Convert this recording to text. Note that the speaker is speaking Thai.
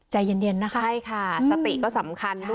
ใจเย็นนะคะใช่ค่ะสติก็สำคัญด้วย